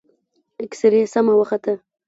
اكسرې سمه وخته.